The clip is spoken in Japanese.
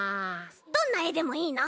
どんなえでもいいの？